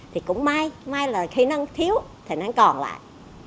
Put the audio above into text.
thì cũng may may là khi nó thiếu thì nó còn lại